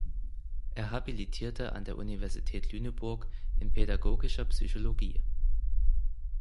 Er habilitierte an der Universität Lüneburg in Pädagogischer Psychologie.